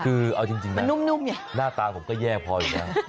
คือเอาจริงนะหน้าตาผมก็แยกพออยู่นะ